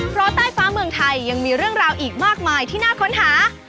เพราะใต้ฟ้าเมืองไทยยังมีเรื่องราวอีกมากมายที่น่าค้นหา